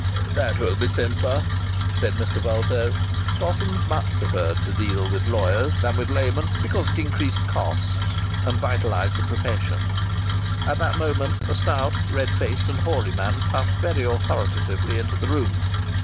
"That will be simpler," said Mr. Vulto. Slossons much preferred to deal with lawyers than, with laymen, because it increased costs and vitalized the profession. At that moment a stout, red faced and hoary man puffed very authoritatively into the room.